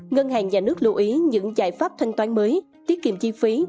ngân hàng nhà nước lưu ý những giải pháp thanh toán mới tiết kiệm chi phí